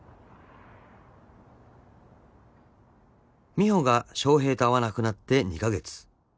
［美帆が翔平と会わなくなって２カ月］